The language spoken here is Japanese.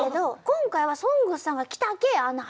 今回は「ＳＯＮＧＳ」さんが来たけあんな